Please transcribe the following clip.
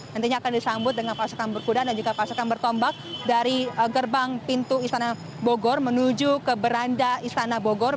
nantinya akan disambut dengan pasukan berkuda dan juga pasukan bertombak dari gerbang pintu istana bogor menuju ke beranda istana bogor